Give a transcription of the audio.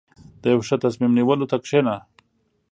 • د یو ښه تصمیم نیولو ته کښېنه.